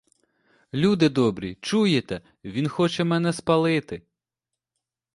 Люди добрі, чуєте: він хоче мене спалити!